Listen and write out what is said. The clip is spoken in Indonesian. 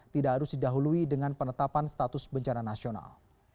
tidak harus didahului dengan penetapan status bencana nasional